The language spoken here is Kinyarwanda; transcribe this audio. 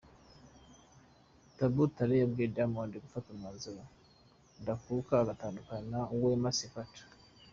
Babu Tale yabwiye Diamond gufata umwanzuro ndakuka agatandukana na Wema Sepetu.